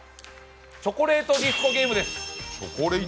「チョコレイト・ディスコ」ゲームです。